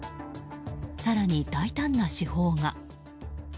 更に大胆な手法が。